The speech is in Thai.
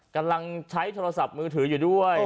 กำลังใช้โทรศัพท์มือถืออยู่ด้วย